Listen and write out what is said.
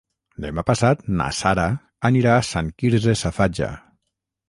Demà passat na Sara anirà a Sant Quirze Safaja.